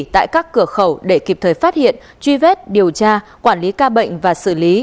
tại các cửa khẩu để kịp thời phát hiện truy vết điều tra quản lý ca bệnh và xử lý